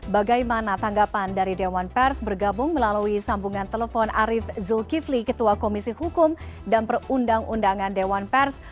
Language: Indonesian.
bagaimana tanggapan dari dewan pers bergabung melalui sambungan telepon arief zulkifli ketua komisi hukum dan perundang undangan dewan pers